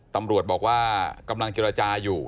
ตำรวจบอกว่ากำลังเจรจาอยู่